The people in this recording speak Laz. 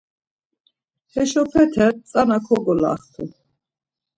Heşopete tzana kogolaxtu.